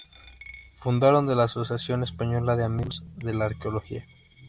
Fundador de la Asociación Española de Amigos de la Arqueología.